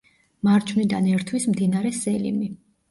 მარჯვნიდან ერთვის მდინარე სელიმი.